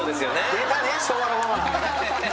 出たね昭和のママ！